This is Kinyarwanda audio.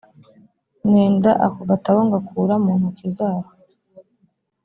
nenda ako gatabo ngakura mu ntoki zaho